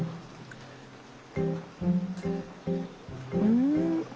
うん。